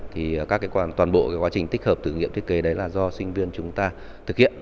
thì toàn bộ quá trình tích hợp thử nghiệm thiết kế đấy là do sinh viên chúng ta thực hiện